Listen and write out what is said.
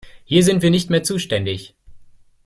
Hier sind wir nicht mehr zuständig.